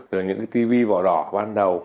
rồi những cái tivi vỏ đỏ ban đầu